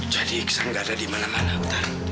jadi iksan gak ada dimana mana utari